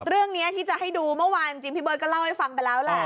เรื่องนี้ที่จะให้ดูเมื่อวานจริงพี่เบิร์ตก็เล่าให้ฟังไปแล้วแหละ